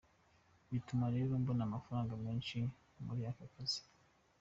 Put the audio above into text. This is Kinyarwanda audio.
Bituma rero mbona amafaranga menshi muri aka kazi.